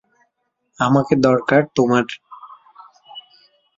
আমাকে দরকার তোমার।